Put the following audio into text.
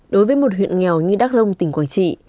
đối với một huyện nghèo như đắk rông tỉnh quảng trị